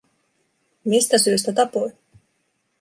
Mistä syystä tapoin?